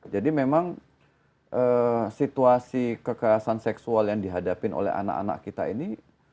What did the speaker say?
jadi memang situasi kekerasan seksual yang dihadapi oleh anak anak kita ini